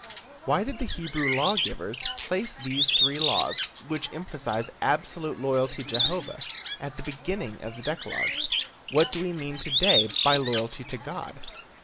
Why did the Hebrew law givers place these three laws, which emphasize absolute loyalty to Jehovah, at the beginning of the decalogue? What do we mean to day by loyalty to God?